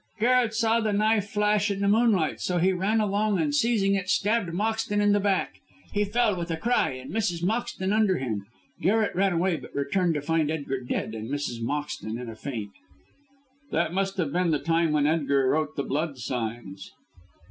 "Garret saw the knife flash in the moonlight, so he ran along, and seizing it, stabbed Moxton in the back. He fell with a cry and Mrs. Moxton under him. Garret ran away, but returned to find Edgar dead, and Mrs. Moxton in a faint." "That must have been the time when Edgar wrote the blood signs."